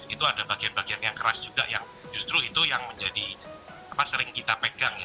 itu ada bagian bagian yang keras juga yang justru itu yang menjadi sering kita pegang